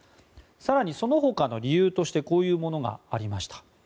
更にその他の理由としてこういうものがありました。